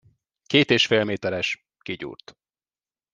Két és fél méteres, kigyúrt.